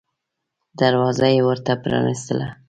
دروازه یې ورته پرانیستله.